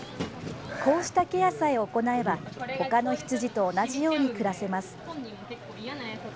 こうしたケアさえ行えば他の羊と同じように暮らせます。